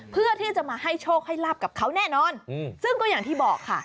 เพื่อที่จะมาให้โชคให้ลาบกับเขาแน่นอนซึ่งก็อย่างที่บอกค่ะ